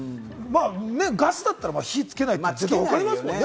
ガスだったら火をつけないとわかりますもんね。